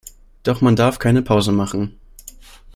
Doch man darf keine Pause machen.